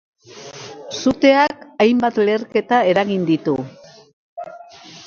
Suteak hainbat leherketa eragin ditu.